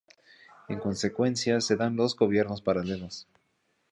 En consecuencia, se dan dos gobiernos paralelos.